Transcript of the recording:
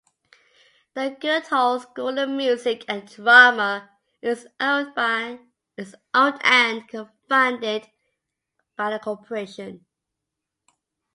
The Guildhall School of Music and Drama is owned and funded by the Corporation.